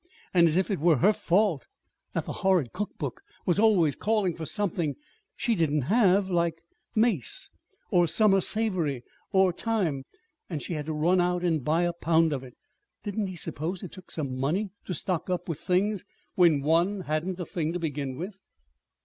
And as if it were her fault that that horrid cookbook was always calling for something she did not have, like mace, or summer savory, or thyme, and she had to run out and buy a pound of it! Didn't he suppose it took some money to stock up with things, when one hadn't a thing to begin with?